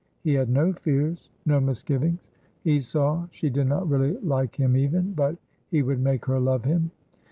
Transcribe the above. He had no fears, no misgivings. He saw she did not really like him even, but he would make her love him!